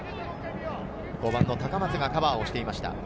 高松がカバーをしていました。